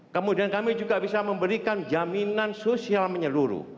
kemudian kami juga bisa memberikan jaminan sosial menyeluruh